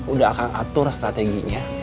udah akang atur strateginya